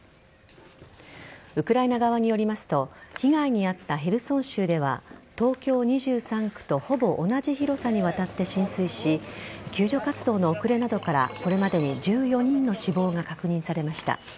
ウクライナ側によりますと被害に遭ったヘルソン州では東京２３区とほぼ同じ広さにわたって浸水し救助活動の遅れなどからこれまでに１４人の死亡が確認されました。